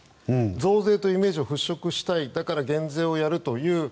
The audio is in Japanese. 増税というイメージを払拭したいだから減税をやる。